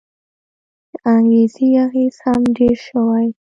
د انګرېزي اغېز هم ډېر شوی.